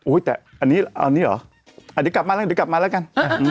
โอ้ยแต่อันนี้ก่อน